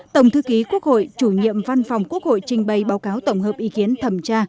tổng thư ký quốc hội chủ nhiệm văn phòng quốc hội trình bày báo cáo tổng hợp ý kiến thẩm tra